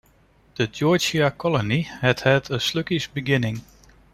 The Georgia colony had had a sluggish beginning.